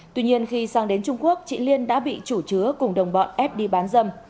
tuy nhiên khi sang đến trung quốc chị liên đã bị chủ chứa cùng đồng bọn ép đi bán dâm